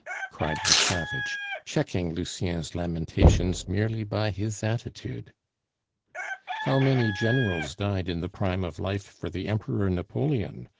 cried the savage, checking Lucien's lamentations merely by his attitude. "How many generals died in the prime of life for the Emperor Napoleon?"